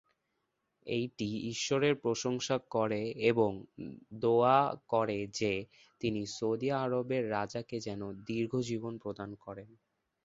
এইটি ঈশ্বরের প্রশংসা করে এবং দোয়া করে যে, তিনি সৌদি আরবের রাজাকে যেন দীর্ঘ জীবন প্রদান করেন।